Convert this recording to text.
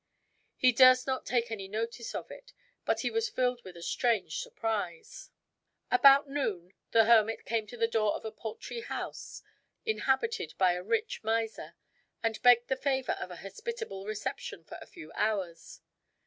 He durst not take any notice of it, but he was filled with a strange surprise. About noon, the hermit came to the door of a paltry house inhabited by a rich miser, and begged the favor of an hospitable reception for a few hours.